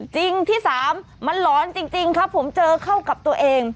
จริงที่สามมันหลอนจริงครับผมเจอเข้ากับตัวเอง